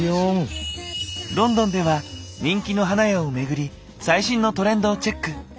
ロンドンでは人気の花屋をめぐり最新のトレンドをチェック。